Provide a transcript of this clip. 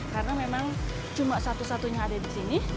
karena memang cuma satu satunya ada di sini